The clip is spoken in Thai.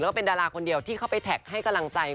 แล้วก็เป็นดาราคนเดียวที่เข้าไปแท็กให้กำลังใจ